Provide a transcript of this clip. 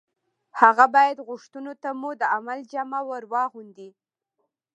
هغه باید غوښتنو ته مو د عمل جامه ور واغوندي